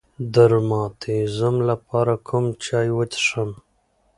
د روماتیزم لپاره کوم چای وڅښم؟